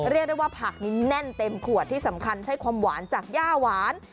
เรียกได้ว่าผักนี้แน่นเต็มขวดที่สำคัญใช้ความหวานจากย่าหวาน